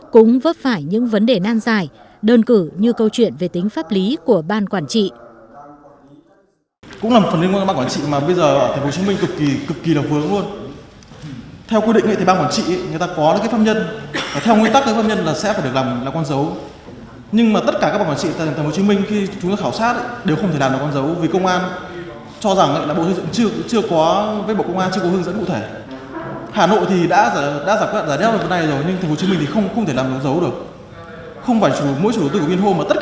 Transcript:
cũng vớt phải những vấn đề nan dài đơn cử như câu chuyện về tính pháp lý của ban quản trị